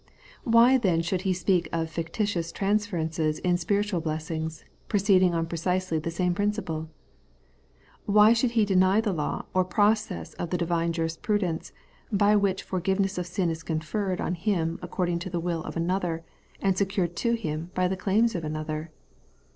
Why then should he speak of Jictitious transferences in spiritual blessings, proceeding on precisely the same principle? Why should he deny the law or process of the divine jurisprudence, by which forgiveness of sin is conferred on him according to the will of another, and secured to him by the claims of another